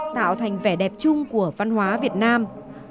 tạo thành vẻ đẹp chung của văn hóa việt nam